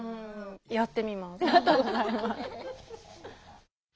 やってみます。